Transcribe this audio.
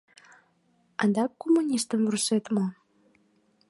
— Адак коммунистым вурсет мо?